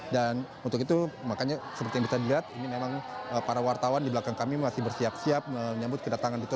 untuk itu makanya seperti yang bisa dilihat ini memang para wartawan di belakang kami masih bersiap siap menyambut kedatangan itu